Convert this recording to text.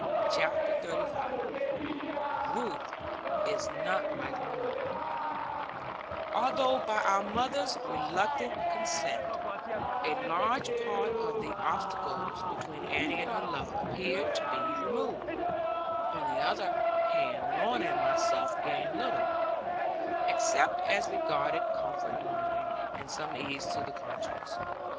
CHAPTER XXXV RUTH IS NOT LIKE LORNA Although by our mother's reluctant consent a large part of the obstacles between Annie and her lover appeared to be removed, on the other hand Lorna and myself gained little, except as regarded comfort of mind, and some ease to the conscience.